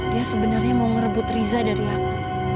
dia sebenarnya mau merebut riza dari aku